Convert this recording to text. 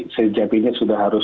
cjp nya sudah halus